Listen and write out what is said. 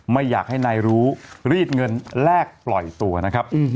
ไม่อยากให้นายรู้รีดเงินแลกปล่อยตัวนะครับ